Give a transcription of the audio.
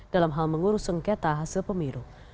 dalam hal mengurus sengketa hasil pemilu